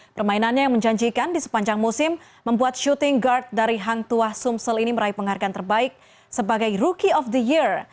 permainannya yang menjanjikan di sepanjang musim membuat syuting guard dari hang tua sumsel ini meraih penghargaan terbaik sebagai rookie of the year